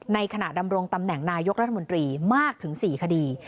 ขณะดำรงตำแหน่งนายกรัฐมนตรีมากถึง๔คดี